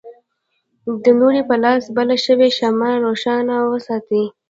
د نوري په لاس بله شوې شمعه روښانه وساتي.